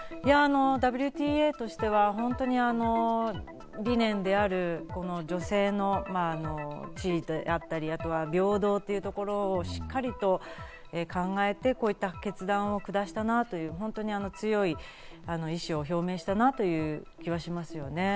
ＷＴＡとしては理念である女性の地位であったり平等というところをしっかりと考えてこういった決断を下したなという、本当に強い意志を表明したなという気がしますね。